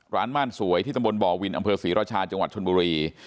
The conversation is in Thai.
ม่านสวยที่ตำบลบ่อวินอำเภอศรีราชาจังหวัดชนบุรี